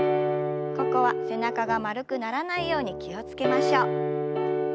ここは背中が丸くならないように気を付けましょう。